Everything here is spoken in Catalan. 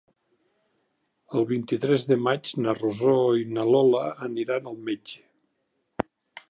El vint-i-tres de maig na Rosó i na Lola aniran al metge.